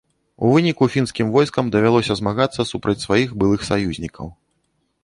У выніку фінскім войскам давялося змагацца супраць сваіх былых саюзнікаў.